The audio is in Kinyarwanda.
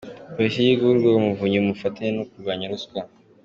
Polisi y’Igihugu n’Urwego rw’Umuvunyi mu bufatanye mu kurwanya ruswa